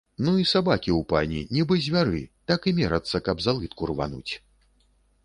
Ну і сабакі ў пані, нібы звяры, так і мерацца, каб за лытку рвануць.